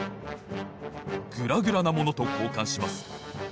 グラグラなものとこうかんします。